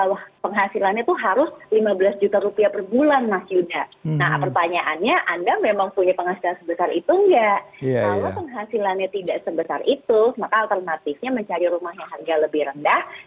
kalau penghasilannya tidak sebesar itu maka alternatifnya mencari rumah yang harga lebih rendah